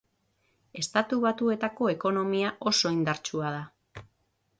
Estatu Batuetako ekonomia oso indartsua da.